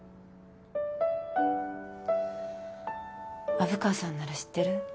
虻川さんなら知ってる？